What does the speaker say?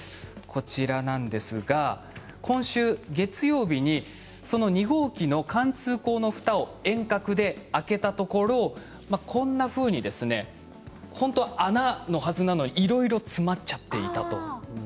こちらなんですが今週月曜日にその２号機の貫通孔のふたを遠隔で開けたところこのように穴のはずなのにいろいろ詰まってしまっていたということなんです。